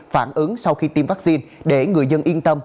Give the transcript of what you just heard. phản ứng sau khi tiêm vaccine để người dân yên tâm